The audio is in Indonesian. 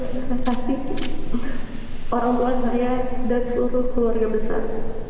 terutama sekali lagi yang saya kasihi orang tua saya dan seluruh keluarga besar